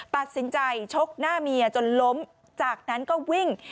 ตัดสินใจชกหน้าเมียจนล้มจากนั้นก็วิ่ง